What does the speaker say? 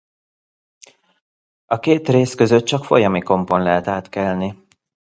A két rész között csak folyami kompon lehet átkelni.